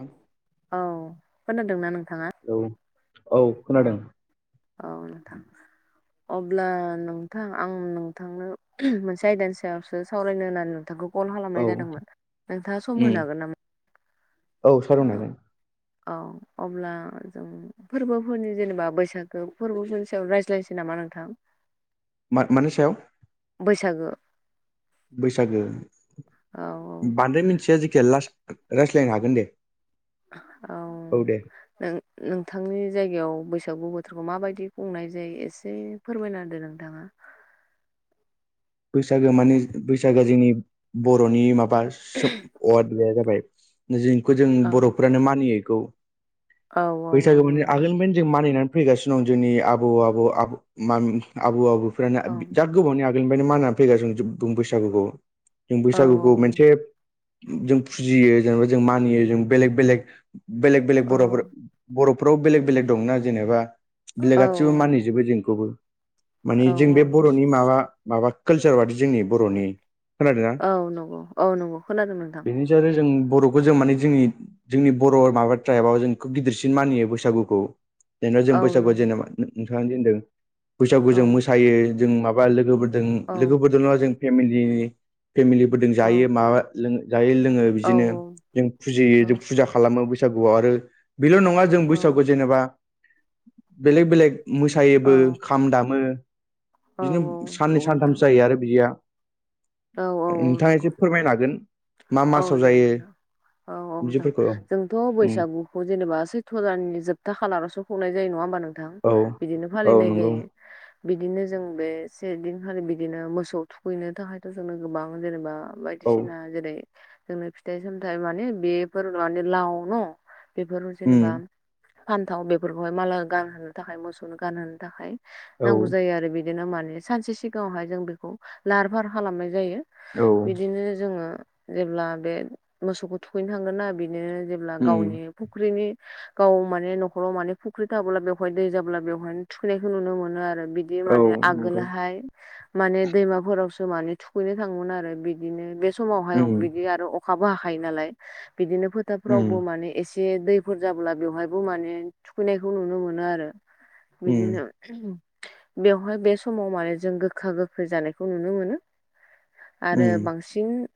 ह [inaudible] औ खोनदोंना नोंथाङा? औ औ खोनादों। औ नोंथां। अब्ला नोंथां आं नोंथांनो मोनसे आयदानि सायावसो सावरायनो होननानै नोंथांखौ कल औ खालामनाय उम जादोंमोन नोंथाङा सम होनो हागोन नामा? औ सार अ ागोन औ अब्ला जों फोरबोफोरनि जेनेबा बैसागो फोरबोफोरनि सायाव रायज्लायनोसै नामा नोंथां मा मानि सायाव बैसागो बैसागो औ बांद्राय मिथिया जायखिजाया रायज्लायनो हागोन दे औ दे नों नोंथांनि जायगायाव बैसागु बोथोरखौ माबायदि खुंनाय जायो एसे फोरमायना होदो नोंथाङा बैसागो माने बैसागो जोंनि बर'नि माबा [unintelligible] जाबाय जखौ जों औ बर'फ्रानो मानियैखौ औ औ बैसागु नंगौ माने नोंथां आगोलनिफ्रायनो जों मानिनानै फैगासिनो दं जोंनि आबौ आबौ [unintelligible] आबौ आबैफ्रानो औ जा गोबावनि आगोलनिफ्रायनो मानानै फैगासिनो [unintelligible] बैसागुखौ जों औ बैसागुखौ मोनसे जों फुजियो जेनेबा जों मानियो जों बेलेग बेलेग बेलेग बेलेग औ बर'फोर बर'फोराव बेलेग बेलेग दंना जेनेबा औ बेलेगासिबो औ मानिजोबो जोंखौबो औ मानि जों बे बर'नि माबा माबा कालसार बादि जोंनि बर'नि खोनादोंना औ नंगौ औ नंगौ खोनादों नोंथां [unintelligible] जों बर'खौ जों माने जोंनि जोंनि बर' माबा ट्राइबाव जों खोब गिदिरसिन मानियो बैसागुखौ जेनेबा जों औ बैसागु नंगौ जेनेबा नोंथाङादि होनदों बैसागु औ जों मोसायो जों माबा लोगोफोरजों औ जों लोगोफोरजों नङा जों फेमिलिनि फेमिलिफोरजों औ जायो माबा जायो लोङो बिदिनो जों औ फुजियो जों फुजा खालामो बैसागुआव आरो बेल' नङा जों बैसागु जेनेबा बेलेक बेलेग औ मोसायोबो खाम दामो औ बिदिनो औ साननै नोंथां सानथामसो जायो आरो बिदिया औ औ औ नोंथाङा नंगौ एसे फोरमायनो हागोन मा औ मासाव जागोन जायो नोंथां औ औ बिदिफोरखौ जोंथ' उम बैसागु बेखौ जेनेबा सैथ्र'जाननि जोबथा खालारावसो खुंनाय जायो नङा होमबा नोंथां औ बिदिनो औ फालिनाय नंगौ जायो बिदिनो जों बे से दिनखालि बिदिनो मोसौ थुखैनो थाखाय जोंनो गोबां जेनेबा औ बायदिसिना जेरै जोंनो फिथाइ सामथायाइ माने बेफोर माने लाव न बेफोर उम जेनेबा फान्थाव बेफोरखौहाय माला गानहोनो थाखाय मोसौनो गानहोनो थाखाय औ नांगौ जायो आरो बिदि बिदिनो माने सानसे सिगाङावहाय जों बेखौ लाहार फाहार खालामनाय जायो औ बिदिनो जोङो जेब्ला बे मोसौखौ थुखैनो थांगोन ना बि बिदिनो जेब्ला उम गावनि फुख्रिनि गाव माने न'खराव माने फुख्रि थाबोब्ला बेवहाय दै जाब्ला बेवहायनो थुखैनायखौ नुनो मोनो आरो बिदि बे औ माने नंगौ आगोलहाय माने दैमाफोरावसो माने थुखैनो थाङोमोन आरो बिदिनो बे समावहाय उम बिदि आरो अखाबो हाखायो नालाय बिदिनो उम फोथारफ्रावबो माने एसे जे दैफोर जाब्ला बेवहायबो माने थुखैनायखौ नुनो मोनो आरो उम बिदिनो बेवहाय बे समाव माने जों गोखा गोखै जानायखौ नुनो मोनो आरो उम बांसिन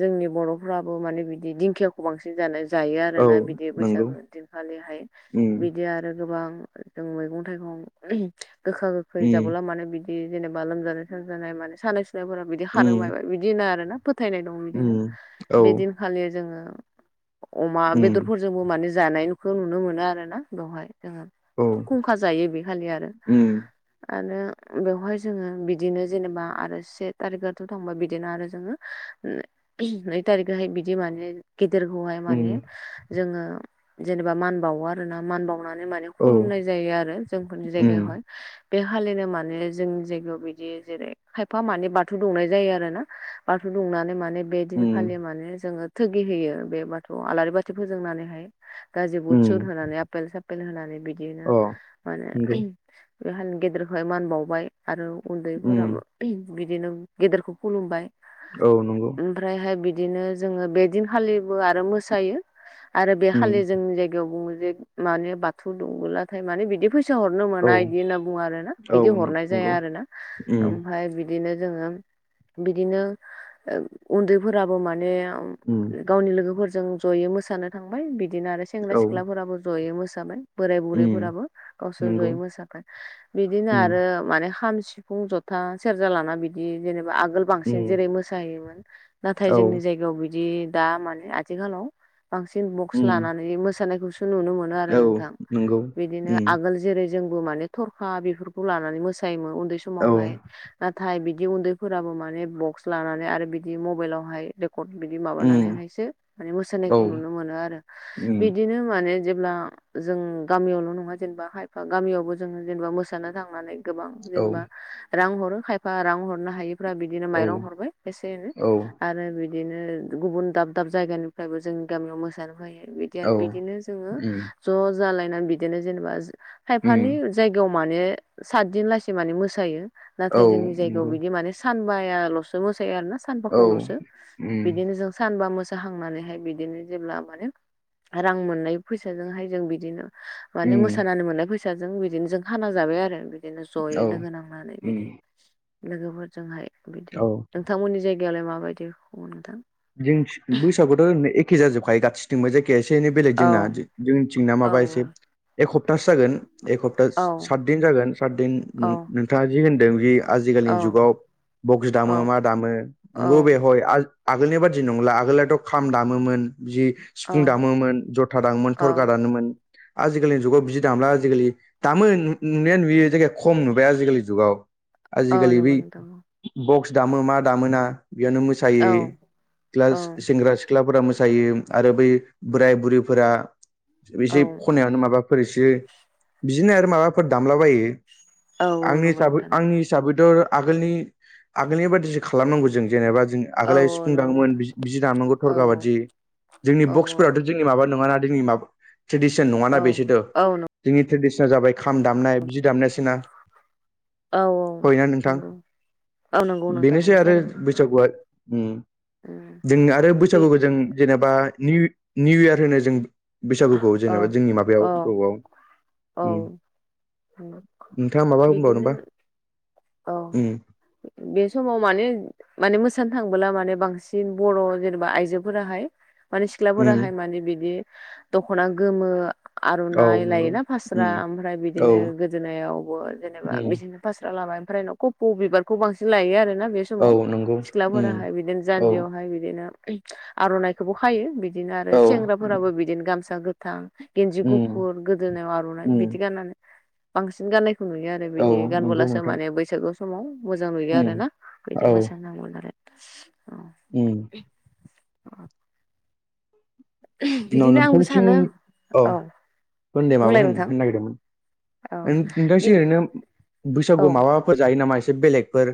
जोंनि बर'फ्राबो माने बिदि दिंखियाव बांसिन जानो जायो औ आरोना बिदि नंगौ बैसागो दिनखालिहाय उम बिदि आरो गोबां जों मैगं थाइगं गोखा गोखै उम जाबोला मानो बिदि बिदि जेनेबा लोमजानाय सोमाजानाय माने सानाय सुनायफोरा बिदि खारो उम मायबाय बिदिनो आरो ना फोथायनाय दं बिदिनो उम औ बेदिनखालि जोङो अमा उम बेदरफोर जोंबो माने जानायखौ नुनो मोनो आरोना बेवहाय जोङो औ खुंखा जायो बे खालि आरो उम आरो बेवहाय जोङो बिदिनो जेनेबा आरो से थारिखआथ' थांबा बिदिनो आरो जोङो नै थारिखहाय बिदि माने गेदेरखौहाय उम माने जोङो जेनेबा मान बावो आरो ना मान बावनानै माने औ खुलुमनाय जायो आरो जोंफोरनि उम जायगायावहाय बे हालिनो माने जोंनि जायगायाव बिदि जेरै खायफा माने बाथौ दुंनाय जायो आरो ना बाथौ दुंनानै माने बे उम दिनखालि माने जोङो थुगि होयो बे बाथौ आलारि बाथि फोजोंनानैहाय गाजि बुद उम सुर होनानै आपेल सा पेल होनानै बिदिनो अ माने बे नंगौ [unintelligible] गेदेरखौहाय मान बावबाय। आरो उम उन्दैफोराबो बिदिनो गेदेरखौ खुलुमबाय। औ नंगौ। ओमफ्रायहाय बिदिनो जोङो बे दिनखालिबो आरो मोसायो। आरो बे खालि उम जोंनि जायगायाव बुङो जे माने बाथौ दंबोलाथाय माने बिदि फै सा हरनो औ मोना बिदि होनना बुङो आरो ना औ बिदि नं- हरनाय नंगौ जाया आरोना। उम। ओमफाय बिदिनो जोङो बिदिनो उन्दैफोराबो माने उम गावनि लोगोफोरजों ज'यै मोसानो थांबाय बिदिनो आरो सेंग्रा औ सिख्लाफोराबो ज'यै मोसाबाय। बोराय उम बुरैफोराबो गावसोर नंगौ जयै मोसागोन बिदिनो उम आरो माने खाम सिफुं ज था सेरजा लाना बिदि जेनेबा आगोल बांसिन उम जेरै मोसायोमोन नाथाय औ जोंनि जायगायाव बिदि दा माने आथिखालाव बांसिन बक्स उम लानानै मोसानायखौसो नुनो मोनो आरो औ नोंथां नंगौ बिदिनो उम आगोल जेरै जोंबो माने थरखा बेफोरखौ लानानै मोसायोमोन उन्दै औ समावहाय। नाथाय बिदि उन्दैफोराबो माने बक्स लानानै आरो बिदि मबाइलावहाय कट बिदि उम माबानानैहायसो माने औ मोसानायखौ नुनो मोनो आरो। उम बिदिनो माने जेब्ला जों गामियावल' नङा जेनेबा खायफा गामियावबो जोङो जेनेबा मोसानो थांनानै गोबां औ जेनेबा रां हरो खायफा रां हरनो हायो फ्रा बिदिनो माइरं हरबाय एसे एनै औ आरो बि दिनो गुबुन दाब दाब जायगानिफ्रायबो जोंनि गामियाव मोसानो फैयो दि आरो औ बिदिनो जोङो उम ज' जालायनानै बिदिनो जेनेबा खायफानि उम जायगायाव माने सात दिन लासेै माने मोसायो औ नाथाय जोंनि जायगायाव नंगौ बिदि माने सानबायाल'सो मोसायो आरोना औ सानबाखौल'सो उम बिदिनो जों सानबा मोसाखांनानैहाय बिदिनो जेब्ला माने रां मोननाय फैसाजोंहाय जों बिदिनो माने उम मोसानानै मोननाय फैसाजों बिदिनो जों खाना जाबाय आरो बिदिनो ज'यै औ लोगो नांनानै। बिदि उम लोगोफोरजोंहाय बिदि औ नोंथांमोननि जायगायावलाय माबायदि खामो नोंथां? जों बैसागुआथ' एखे जाजोबखायो गाससिथिंबो जाय गाया एसे एनै बेलेग औ जोंना जोंनिथिंना औ माबा एसे एक हप्तासो जागोन एक हप औ सातदिन जागोन सातदिन औ नों-नोंथाङा जि होनदों जि आजिखालिनि जुगाव बक्स दामो औ मा दामो नोंगौ बे औ हय आ आगोलनि बादि नंला आगोलनाथ' खाम दामोमोन जि सिफुं दामोमोन, जथा दामोमोन, औ थरखा दानोमोन आजिखालिनि जुगाव बिदि दामला आजिखालि। दामो नुनाया नुयो जायगाया खम नुबाय आजिखालि जुगाव। औ आजिखालि बै नंगौ नोंथां बक्स दामो मा दामो ना बेयावनो औ मोसायो लास औ सेंग्रा सिख्लाफोरा मोसायो आरो बै बोराय बुरैफोरा बिसे औ खनायावनो माबाफोर एसे बिदिनो आरो माबाफोर दामलाबायो। औ आंनि नंगौ हिसाबै नोंथां नंगौ आंनि हिसाबैथ' आगोलनि आगोलनि बायदिसो खालामनांगौ जों जेनेबा जों औ आगोलहाय औ [unintelligible] नंगौ दामोमोन नोंथां बि बिदि दामनांगौ औ थरखा बादि जोंनि औ बक्स फोराथ' जोंनि माबा नङाना जोंनि माबा ट्रेडिसन नङाना बेसोरथ'। औ जोंनि ट्रेडिसना जाबाय खाम दामनाय बिदि दामनायसोना। औ औ नंगौ। औ नंगौ नोंथां बेनोसै नंगौ आरो थारैनो बैसागुआ उम उम। जों आरो बैसागुखौ जों जेनेबा नि निउ इयार होनो जों बैसागुखौ औ जेनेबा जोंनि औ माबायाव बबआव औ उम। नोंथाङा माबा बिदिनो होनबावनोबा औ उम बे समाव माने माने मोसानो थांबोला माने बांसिन बर' जेनेबा आयजोफोराहाय माने उम सिख्लाफोराहाय माने बिदि दखना गोमो औ आर'नाइ नंगौ लायोना फास्रा उम ओमफ्राय औ बिदिनो गोदोनायावबो जेनेबा उम बिदिनो फास्रा लाबाय ओमफ्राय न क'पौ बिबारखौ बांसिन लायो आरोना बे औ समाव नंगौ उम सिख्लाफोराहाय बिदिनो औ जानजियावहाय बिदिनो आरनाय खौबो खायो बिदिनो आरो औ सेंग्राफोराबो बिदिनो गामसा गोथां गेन्जि उम गुफुर गोदोनायाव आर'नाइ उम बिदि गाननानै बांसिन गाननायखौ नुयो आरो। औ बिदि नंगौ गानबोलासो नोंथां माने ब बैसागु समाव मोजां नुयो उम आरोना बिदि औ मोसानांगौन आरो औ उम [inaudible] न बिदिनो आंबो नोंथांसिं सानो औ होन दे माबा बुंलाय होन नोंथां होनो नागिरदोंमोन। औ बि नोंथांसि ओरैनो औ बैसागुआव माबाफोर जायो नामा एसे बेलेगफोर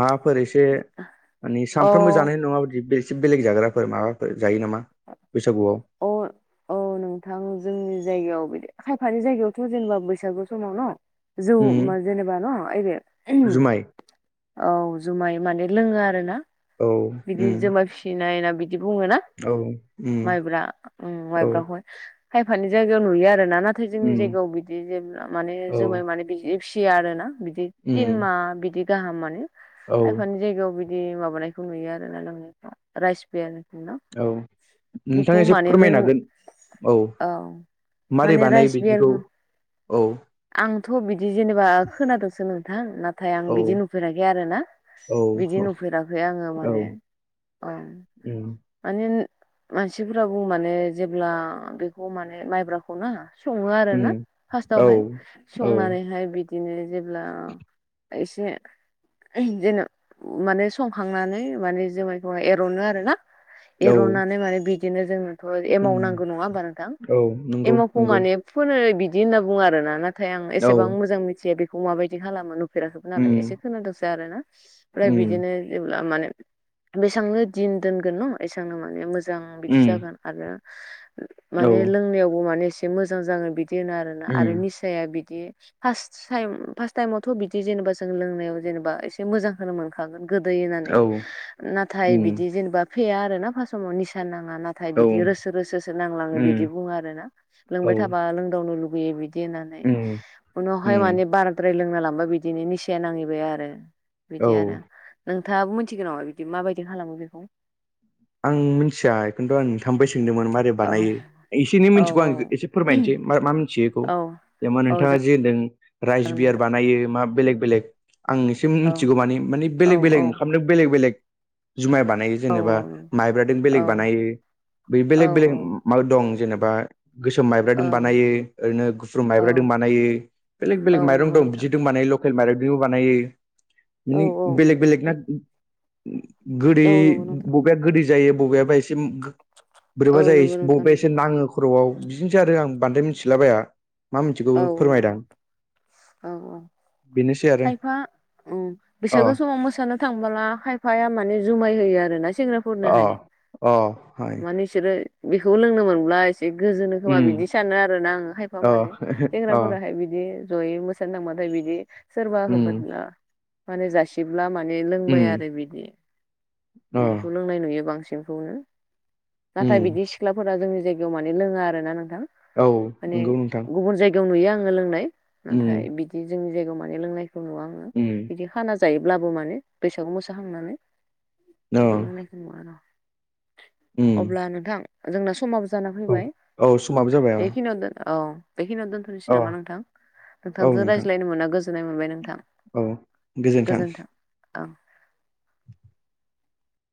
माबाफोर एसे माने अ सानफ्रोमबो जानाय नङा बिदि एसे बेलेग जाग्राफोर माबाफोर जायो नामा बैसागुआव अ अ औ नोंथां जोंनि जायगायाव बिदि खायफानि जायगायावथ' जेनेबा बैसागु समाव न जौ उम जेनेबा न ओइ बे जुमाय औ जुमाय माने लोङो आरो ना औ बिदि उम जुमाय फिसिनाय ना बिदि बुङो ना? औ उम माइब्रा उम औ माइब्राखौहाय खायफानि जायगायाव नुयो आरो ना नाथाय जोंनि उम जायगायाव बिदि जेब्ला माने औ जुमाय माने बि फिसिया आरो ना बिदि तिन उम माह बिदि गाहाम मानि औ खायफानि जायगायाव बिदि बिदि माबानायखौ नुयो आरोना लोंनायफ्रा राइस पेयारन' औ नोंथाङा एसे फोरमायनो हागोन। औ मारै माने राइस बानायो बिदिखौ बियारखौ औ आंथ' बिदि जेनेबा खोनादोंसो नोंथां ना नाथाय आं औ बिदि नुफेराखै आर' ना बिदि औ नुफेराखै आङो औ माने अ उम मानेन मानसिफोरा बुंङो माने जेब्ला बेखौ माने माइब्राखौ ना सङो आरो ना उम औ फार्स्टावहाय औ संनानैहाय बिदि बिदिनो जेब्ला एसे जेन' माने संखांनानै माने जुमायखौ एर'नो आरो ना औ रुनानै माने बिदिनो जोंनोथ' एमाव उम नांगौ नङा होमबा नोंथां? औ नंगौ एमावखौ नंगौ माने फोनो बिदि होनना बुङो आरो ना नाथाय आं औ एसेबां मोजां मिथिया बेखौ माबायदि खालामो। नुफेराखैबो नालाय एसे उम खोनादोंंसो आरो ना ओमफ्राय उम बिदिनो जेब्ला माने बेसांनो दिन दोनगोन न एसांनो माने मोजां बिदि उम जागोन आरो औ माने लोंनायावबो माने एसे मोजां जागोन बिदि होनो आरोना आरो उम मिस जाया बिदि फार्स्ट टाइम फार्स्ट टाइमावथ' बिदि जेनेबा जों लोंनायाव जेनेबा एसे मोजां होनो मोनखागोन गोदै होननानै औ नाथाय उम बिदि जेनेबा फेया आरोना समाव निसा नाङा नाथ नाथाय औ बिदि रोसो रोसोसो नांलाङो उम बिदि बुङो आर ना औ लोंबाय थाबा लोंदावनो लुुबैयो बिदि बिदि होननानै उम उनावहाय उम माने बाराद्राय लोंना लांबा बिदिनो निसाया नांहैबाय आरो औ बिदि आरो नोंथाङाबो मिथिगोन नामा बिदि माबायदि खालामो बेखौ आं मिथिया। खिन्थु आं नोंथांनिफ्राय सोंदोंमोन मारोरै औ बानायो एसे एनि औ मिथिखौ आं एसे फोरमायनोसै म मा मोनथियो बेखौ औ जेनबा औ नोंथाङा जे होनदों राइस जागोन बियार नोंथां बानायो मा बेलेग बेलेग आंनि औ मिथिगौ मानि मानि औ बेलेग औ बेलेग ओंखामनो बेलेग बेलेग जुमाय बानायो औ जेनेबा मायब्रादों औ बेलेग बानायो बे औ बेलेग बेलेग माबा दं जेनेबा गोसोम माइब्राजों ओं बानायो ओरैनो गुफ्रुर औ माइब्राजों बानायो बेलेग बेलेग औ माइरं नंगौ नोंथां बिदि दं मानाय ल लकेल माइरंजोंबो बानायो औ माने औ बेलेग बेलेगना गोदै औ नंगौ नोंथां बबेया गोदै जायो बबेयाबा एसे औ बोरैबा जायो नंगौ नोंथां बबेबा नंगौ एसे नाङो खर'आव बिदिनोसै आरो आं बांद्राय मिथिलाबाया मा मिथिगौ औ फोरमायदां औ औ बेनोसै आरो खायफा औ अ बैसागो समाव मोसानो थांबोला खायफाया माने जुमाय होयो आरोना अ सेंग्राफोरनोहाय अ हाय माने बिसोरो बेखौ लोंनो मोनब्ला एसे गोजोनो खोमा उम बिदि सानो आरोना आङो खायफा अ माने अ सिख्लाफोराहाय बिदि जयै मोसानो थांबाथाय बिदि सोरबा उम [unintelligible] माने जासिब्ला माने उम लोंबाय आरो बिदि अ बिदिखौ लों नाय नुयो बांसिनखौनो उम नाथाय बिदि सिख्लाफोरा जोंनि जायगायाव माने लोङा आरोना नोंथां। औ माने नंगौ नोंथां गुबुन जायगायाव नुयो आङो लोंनाय उम नाथाय बि जोंनि जायगायाव माने लोंनायखौ नुवा आङो उम बिदि खाना जायोब्लाबो माने बैसागु मोसाखांनानै अ बिदि लोंनायखौ नुवा आरो उम अब्ला नोंथां जोंना समाबो जा जाना औ फैबाय औ समाबो जाबाय अ बेखिनियाव दोन औ बेखिनियाव दोन नोसै अ नामा नोंथां औ नोंथांजों नोंथां रायज्लायनो मोनना गोजोन्नाय मोनबाय नोंथां। औ गोजोन्थों। ओं